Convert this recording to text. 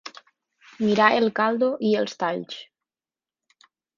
Mirar el caldo i els talls.